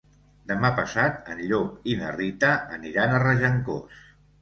Demà passat en Llop i na Rita aniran a Regencós.